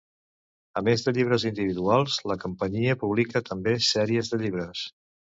A més de llibres individuals, la companyia publica també sèries de llibres.